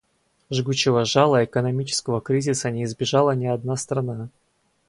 Жгучего жала экономического кризиса не избежала ни одна страна.